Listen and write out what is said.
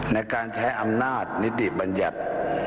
ในการใช้อำนาจนิติบัญญัติ